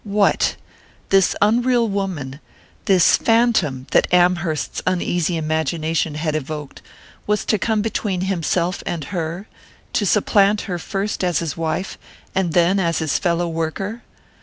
What! This unreal woman, this phantom that Amherst's uneasy imagination had evoked, was to come between himself and her, to supplant her first as his wife, and then as his fellow worker?